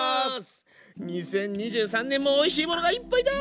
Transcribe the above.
２０２３年もおいしいものがいっぱいだ！